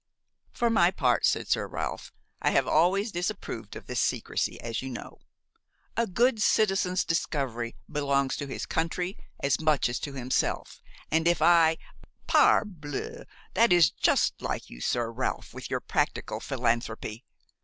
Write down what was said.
"For my part," said Sir Ralph, "I have always disapproved of this secrecy, as you know; a good citizen's discovery belongs to his country as much as to himself, and if I–" "Parbleu! that is just like you, Sir Ralph, with your practical philanthropy!